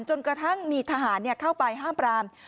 จนกระทั่งมีทหารเข้าไปห้ามปราม